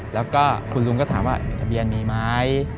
แล้วก็คุณซุมก็ถามว่าทะเบียนมีไหม